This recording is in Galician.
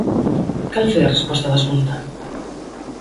Cal foi a resposta da Xunta?